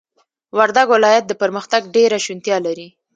وردگ ولايت د پرمختگ ډېره شونتيا لري،